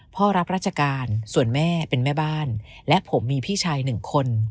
รับราชการส่วนแม่เป็นแม่บ้านและผมมีพี่ชายหนึ่งคน